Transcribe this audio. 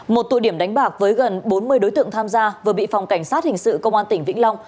một tụ điểm đánh bạc với gần bốn mươi đối tượng tham gia vừa bị phòng cảnh sát hình sự công an tỉnh vĩnh long